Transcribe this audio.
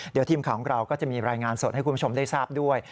เดี๋ยวทีมข่าวของเราก็จะมีรายงานสดให้คุณผู้ชมได้ทราบด้วย